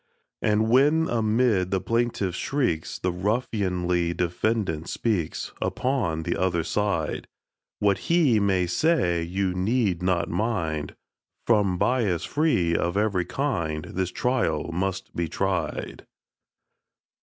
And when amid the plaintiff's shrieks, The ruffianly defendant speaks— Upon the other side; What he may say you need not mind— From bias free of every kind, This trial must be tried!